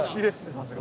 さすが。